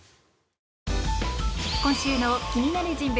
今週の気になる人物